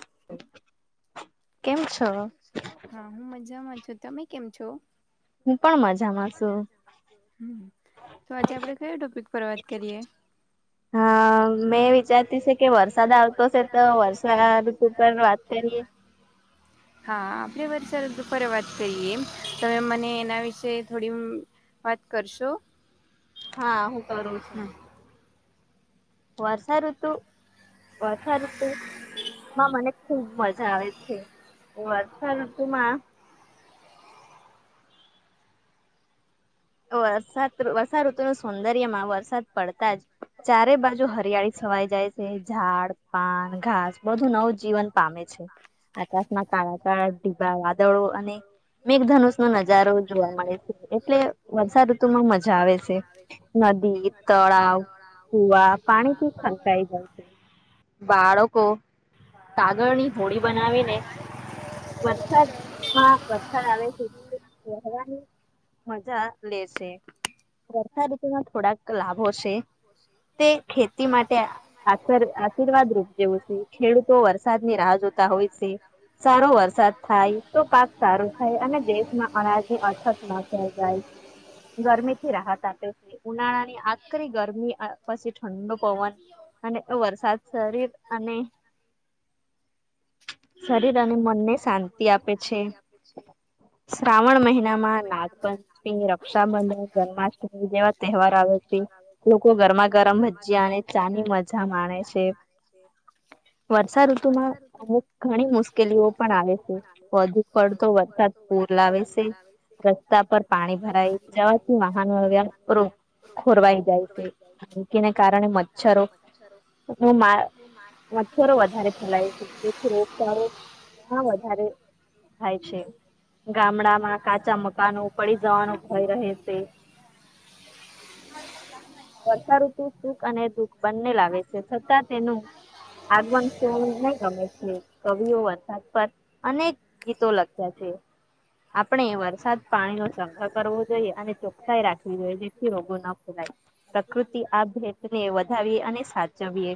[unintelligible] હા હું મજામાં છું તમે કેમ છો. હું પણ મજામાં છું. તો આજે આપડે કયા ટોપિક પર વાત કરીએ. હા મેં વિચારતી છે કે વરસાદ આવતો છે તો વરષદ ઋતુ ઉપર વાત કરીએ. હા આપડ વારી સરપરે વાત કરીએ તમે મને એના વિશે થોડી. વાત કરશો. હા હું કરું છું. વર્ષઋતુ વર્ષઋતુ. માં મને ખુબ મજા આવે છે વર્ષા ઋતુ માં. વરસાદ વરસાાઋતુ ન સૌંદર્ય માં વરસાદ પડતા જ. ચારે બાજુ હરિયાળી છવાઈ જાય છે ઝાડ પાન ઘાસ બધું નવું જીવન પામે. મે છે. આકાશમાં કાળા કાળા ઢીબા વાદળો અને મેઘધનુષ નો નજારો જોવા મળે છે. એટલે વર્ષા ઋતુ માં મજા આવે છે નદી તળાવ. પાણી થી શંકાઈ જાય છે બાળકો. કાગળની હોડીી બનાવીને. વરસાદ વરસાદ આવે છે એટવાનું. મજા લે છે વર્થા રીતમાં થોડાક લાભો છે. તે ખેતી માટે આ આશીર્વાદ રૂપ જેવું છે ખેડૂતો વરસાદની રા. રા જોતા હોય શે. સારો વરસાદ થાય તો પાક સારો થાય અને દેશમાં અનાજની અછત ન સર્જાય. ગરમીથી રાહત આપે છે. ઉનાળાની આ કરી ગરમી અ પછી ઠંડો પવન અને વરસાદ શરીર અને શરીર અને મનને શાંતિ આપે છે. શ્રાવણ મહિનામાં નાગપંચ તેઓ રક્ષાબંધન, જન્માષ્ટમી જેવા તહેવાર આવે છે. લોકો ગરમા-ગરમ ભજીયા અને ચાની મજા માણે છે. વર્ષાઋ ઋતુમાં અમુક ઘણી મુશ્કેલીઓ પણ આવે છે. વધુ પડતો વરસાદ પૂર લાવે શે. લાવે શે. પ પાણી ભરાઈ જવાથી વાહનો વ્યાર થોરુ ખોરવાઈ ખોરવાઈ જાય. એને કારણે મચ્છરો ને માખી [unintelligible] લાઈક [unintelligible] રોગચાડો માં વધારે થાય છે. ગામડામાં કાચા મકાનો પડી જવાનો ભય રહે શે. વર્ષાઋતુ સુખ અને દુઃખ બંને લાવે છે, છતાં તેનું આગમન તો નઈ ગમે છે. કવિઓ વરસાદ પર અનેક ગીતો લખ્યા છે. [unintelligible] આપણે વરસાદ પાણીનો સંગ્રહ કરવો જોઈએ. અને ચોખ્ખાઈ રાખવી જોઈએ. જેથી રોગો ન ફેલાય. પ્રકૃતિ આ ભેટને વધાવીએ અને સાચવીએ.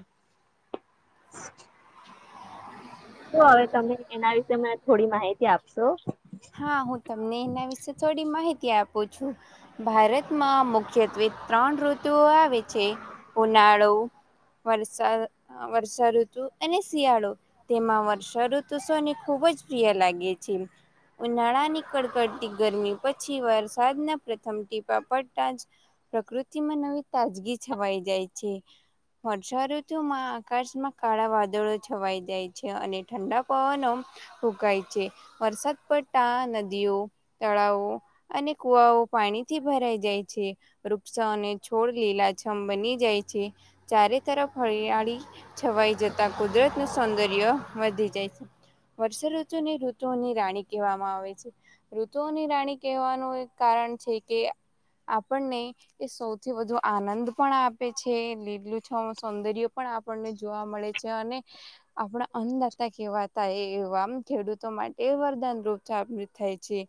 હા હું તમને એના વિશે થોડી માહિતી આપું છું ભારતમાં મુખ્યત્વે ત્રણ. ત્રણ ઋતુઓ આવે છે ઉનાળો. વસા વર્ષાઋતુ અને શિયાળો તેમાં વર્ષાઋતુસોને ખૂબ. ખૂબ જ પ્રિય લાગે છે. ઉનાળાની કડકડતી ગરમી પછી વરસાદના પ્રથમ ટીપા પડતા જ પ્રકૃતિમાં નવી તાજગી છવાઈ જાય છે. વર્ષાઋતુમાં આકાશમાં કાળા વાદળો છવાઈ જાય છે, અને ઠંડા પવનો ફૂંકાય છે. વરસાદ પડ તા નદીઓ, તળાવો અને કુવાઓ પાણીથી ભરાઈ જાય છે. વૃ ક્ષા અને છોડ લીલા છમ બની જાય છે. ચારે તરફ હરિયાળી છવાઈ જ તા કુદરતનું સૌંદર્ય વધી જાય છે. વર્ષાઋતુની ઋતુની રાણી કેવામાં આવે છે. ઋતુઓની રાણી કેવાનું એક કારણ છે કે આપણને એ સૌથી વધુ આનંદ પણ આપે છે, લીલું છમ સૌંદર્ય પણ આપણને જોવા મળે છે. અને આપડા અન્નદાતા કેવાતા એવામ ખેડૂતો માટે વરદાન [unintelligible] થાય છે.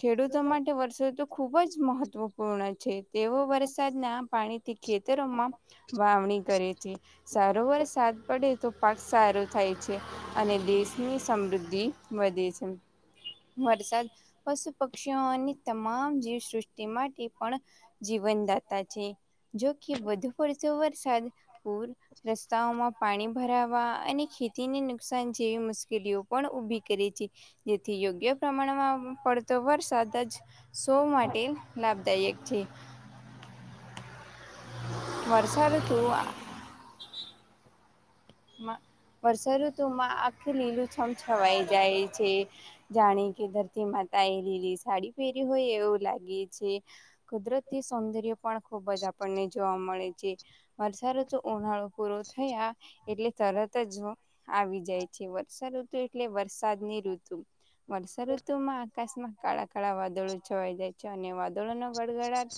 ખેડૂતો માટે વરસા તો. ખુબ જ મહત્વપૂર્ણ છે. તેઓ વરસાદના પાણી થી ખેતરોમાં વાવણી કરે છે. સારો વરસાદ પડે તો પાક સારો થાય છે. અને દેશની સમૃદ્ધિ મદે છમ. વરસાદ પશુ-પક્ષીઓની તમામ જીવસૃષ્ટિ માટે પણ જીવ વન દાત્તા છે. જો કે વધુ પડતો વરસાદ પૂર, રસ્તાઓમાં પાણી ભરાવા અને ખેતીને નુકસાન જેવી મુશ્કેલીઓ પણ ઉભી કરે છે. જેથી યોગ્ય પ્રમાણમાં પડતો વરસાદ જ સૌ માટે લાભદાયક છે. વર્ષાઋતુ માં વર્ષઋતુમાં આખે લીલું છમ છવાઈ જાય છે. જાણે કે ધરતીમા તારે લીલી સાડી પહેરી હોય એવું લાગે છે. કુદરતી સૌંદર્ય પણ ખુબ જ આપણને જોવા મળે છે. વર્ષાઋતુ ઉનાળો પૂરો થયા એટલે તરત જ આવી જાય છે. વર્ષા ઋતુ એટલે વરસાદની ઋતુ. વર્ષા ઋતુમાં આકાશમા કાળા કાળા વાદળો છવાઈ જાય છે અને વાદળોનો ગડગડાટ.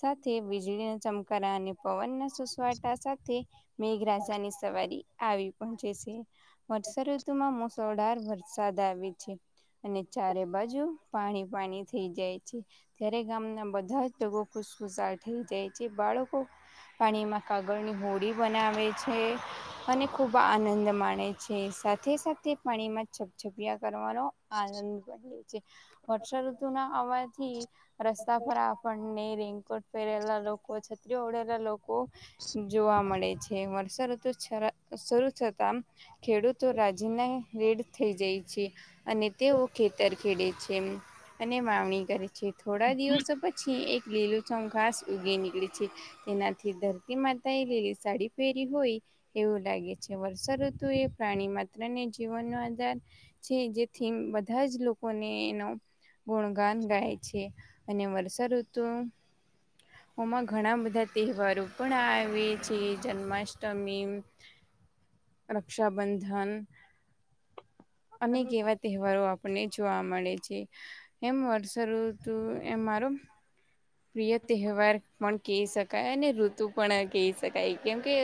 સાથે વીજળીના ચમકારા અને પવનના સુસવાટા સાથે મેઘરાજાની સવારી આવી પોહચે છે. વર્ષાઋતુમાં મુશળધાર વરસાદ આવે છે. અને ચારે બાજુ પાણી-પાણી થઈ જાય છે ત્યારે ગામના બધા જ લોકો ખુશખુશાલ થઈ જાય છે. બાળકો પાણીમાં કાગળની હોડી બનાવે છે. અને ખુબ આનંદ માણે છે. સાથે-સાથે પાણીમાં છપછપિયા કરવાનો આનંદપણ રહે છે. વર્ષા ઋતુના આવાથી રસ્તા ખરાબ પણ ની રહે. રેઇનકોટ પેરેલા, લોકો છત્રી ઓડેલા લોકો જોવા મળે છે. વર્ષા ઋતુ શરૂ થતા ખેડૂતો રાજીના રેડ થઈ જાય છે. અને તેઓ ખેતર ખેડે છે અને વાવણી કરે છે. છે. થોડા દિવસો પછી એક લીલુંચમ ખાસ ઉગી નીકળી છે તેનાથી ધરતી માતાએ લીલી સાડી પહેરી હોય એવું લાગે છે. વર્ષાઋતુ એ પ્રાણી માત્ર ને જીવનનો આધાર છે. જેથી બધા જ લોકોને એનો ગુણગાન ગાય છે અને વર્ષાઋતુ ઓમા હમાં ઘણા બધા તહેવારો પણ આવે છે. જન્માષ્ટ તમીમ, રક્ષાબંધન. અનેક એવા તહેવારો આપ આપને જોવા મલે છે. એમ વર્ષાઋતુ એ મારો પ્રિય તહેવાર પણ કેહી શકાય અને ઋતુ પણ કેહી શકાય કેમ કે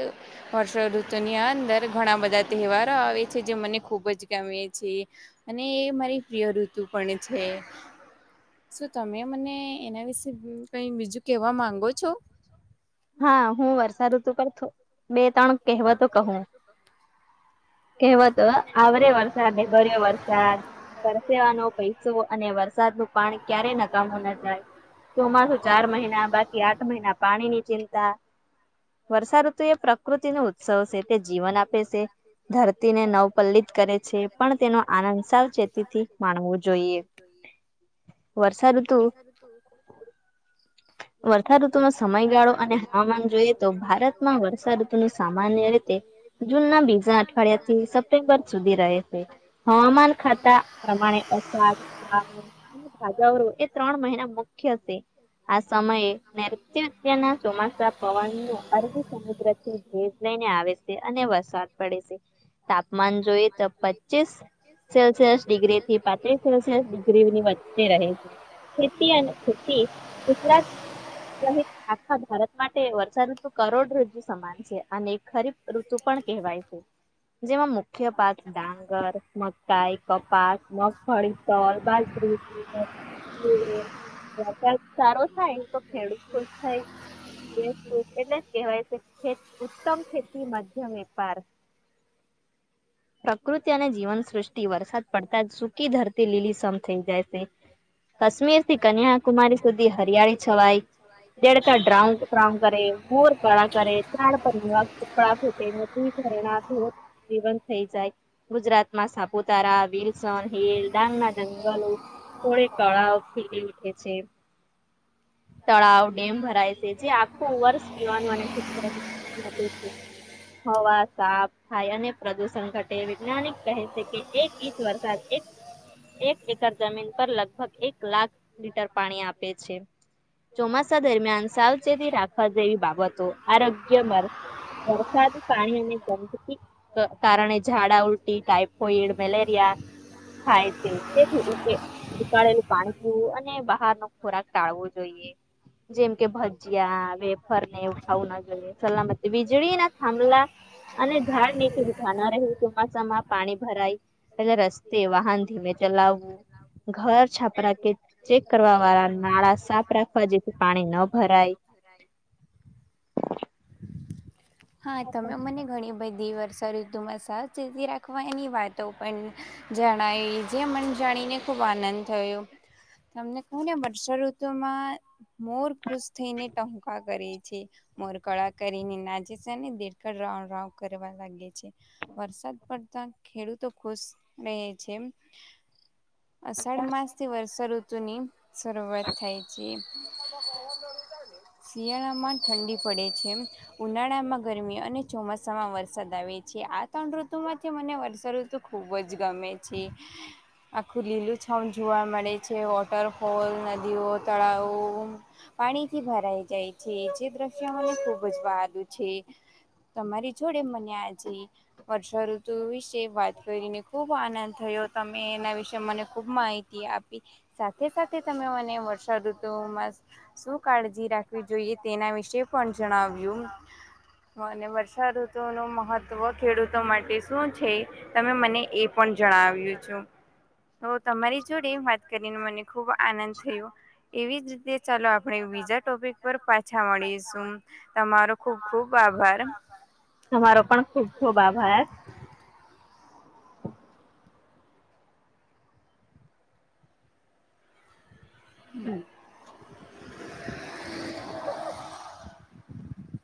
વર્ષા ઋતુની અંદર ઘણા બધા તહેવારો આવે છે જે મને ખુબ જ ગમે છે. અને એ મારી પ્રિય ઋતુ. પણ છે. શું તમે મને એના વિશે કઈ બીજું કેવા માંગો છો? હા હું વર્ષા ઋતુ પર થો બે ત્રણ કહેવતો કહું. કેહવતો હ આવરે વરસાદ ભર્યો વરસાદ વરસેવાનો પૈસો અને વરસાદનું પા ક્યારે નકામું ના થાય. ચોમાસુ ચાર મહિના બાકી આઠ મહિના પાણીની ચિંતા તાં વર્ષાઋતુ એ પ્ર પ્રકૃતિનો ઉત્સવ છે. તે જીવન આપે છે ધરતીને નવપલ્લિત કરે છે પણ તેનો આનંદ સાવચેતી થી માણવું જોઈએ. વર્ષાઋતુ. વર્ષાઋતુ નો સમયગાળો અને હવામાન જોઈએ તો ભારતમાં વર્ષાઋતુ નો સ સામાન્ય રીતે જૂન ના બીજા અઠવાડિયાથી સપ્ટેમ્બર સુધી રહે છે. હવામાન ખાતા પ્રમાણે અષાડ, શ્રાવણ અને ભાદરવો એ ત્રણ મહિના મુખ્ય છે. આ સમયે નેતુંત્યના ચોમાસા પવનનુ અરબી સમુદ્ર થી ભેજ લઈને આવે છે અને વરસાદ પડે છે. તાપમાન જોઈએ તો પચીસ સેલ્સિયસ ડિગ્રી થી પાંત્રીસ સેલ્સિયસ ડિગ્રીની વચ્ચે રહે છે. ખેતી અને ખેતી ગુજરાત સહિત આખા ભારત માટે વર્ષા ઋતુ કરોડ રજુ સમાન છે અને ખરીફ ઋતુ પણ કહેવાય છે. જેમાં મુખ્ય પાક ડાંગર, મકાઈ, કપાસ, મગફળી, તલ, બાજ. [unintelligible] સારો થાય એ તો ખેડૂત ખુશ થાય. એટલે જ કહેવાય ખેત ઉત્તમ ખેતી મધ્ય વેપાર પ્રકૃતિ અને જીવન સૃષ્ટિ વરસાદ પડતા જ સૂકી ધરતી લીલીસમ થઈ જાય છે કશ્મીર થી કન્યાકુમારી સુધી હરિયાળી છવાઈ દેડકા ડ્રાઉ ડ્રાઉ ડ્રાઉં કરે, મોર કળા કરે. ઝાડ પર નવા પીપળા ફૂટે. નદી, ઝરણા, ધોધ જેવા થઈ જાય ગુજરાતમાં સાપુતારા વિલસ હીલ ડાંગના જંગલો. થડ તળાવ ખીલી ઉઠે છે તળાવ ડેમ ભરાય છે. આખું વર્ષ પીવાનું અને [unintelligible] હવા સાફ થાય અને પ્રદુષણ ઘટે વૈજ્ઞાનિક કહે છે કે એક ઇંચ વરસાદ. એક એકર જમીન પર લગભગ એક લાખ લીટર પાણી આપે છે. ચોમાસા દરમિયાન સાવ. કારણે ઝાડા ઉલટી ટાઈફોઈડ મેલેરિયા. થાય છે તેથી. ઉકાળેલું પાણી પીવું અને બહાર નો ખોરાક ટાળવો જોઈએ જેમ કે. ભજીયા વેફર ને એવુ ખાવુ ન જોઈએ સલામતી વીજળી ના થંભલા. અને ઝાડ નીચે ઉંધા ન રહ્યું ચોમાસામાં પાણી ભરાય એટલે રસ્તે વાહન ધીમે. ચલાવું ઘર છાપ. કે ચેક કરવા વાળા નાળા સાફ રાખવા જેથી પાણી ન ભરાય હા તમે મને ઘણી બધી. વર્ષ ઋતુ માં સાચેતી રાખવાની વાતો પણ જણાયેલી છે મન જાણી ને ખૂબ આનંદ થયો. તમને કહું ને વર્ષાઋતુ માં મોર ખુશ થઈને ટમકા કરે છે. મોર કળા કરી ને નાંચે. છે ને દેડકા રવ રવ કરવા લાગે છે. વરસાદ પડતા ખેડૂતો ખુશ રહે છે. અષાઢ માસથી વર્ષાઋતુ નીમ સરોવર થાય છે એમ શિયાળામાં ઠંડી પડે છે ઉનાળામાં. ગરમી અને ચોમાસામાં વરસાદ આવે છે આ ત્રણ ઋતુમાંથી મને વર્ષા ઋતુ ખુબ જ ગમે. ગમે છે. આખું લીલું ચમ જોવા મળે છે વોટરફોલ નદીઓ તળાવો. પાણી થી ભરાઈ જાય છે જે દ્રશ્ય મને ખુબ જ વહાલું છે. તમારી જોડે મને આજે. વર્ષાઋતુ વિશે વાત કરીને ખુબ આનંદ. થયો તમે એના વિશે મને ખુબ માહિતી આપી સાથે સાથે તમે મને વર્ષા ઋતુ શું કાળજી રાખવી જોઈએ તેના વિશે પણ જણાવ્યું. અને વર્ષાઋતુ નું મહત્વ ખેડૂતો માટે શું છે તમે મને એ પણ જ જણાવ્યું છું તો તમારી જોડે વાત કરીને મને ખુબ આનંદ થયો. એવી જ રીતે ચાલો આપણે બીજા ટોપિક પર પાછા મળીશું તમારો ખુબ ખુબ. ખુબ આભાર. તમારો પણ ખુબ ખુબ આભાર. [inaudible]